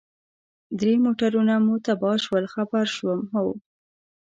درې موټرونه مو تباه شول، خبر شوم، هو.